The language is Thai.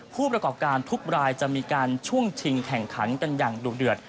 ผู้ประกอบการทุกรายจะมีการช่วงชิงแข่งขันกันอย่างดุเดือด